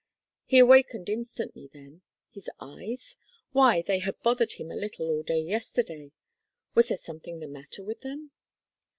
He awakened instantly then. His eyes? Why, they had bothered him a little all day yesterday. Was there something the matter with them?